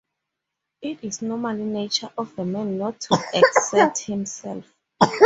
It is normal nature of man not to exert himself.